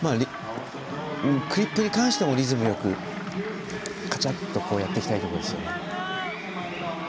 クリップに関してもリズムよく、かちゃっとやっていきたいところです。